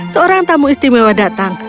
seorang tamu istimewa datang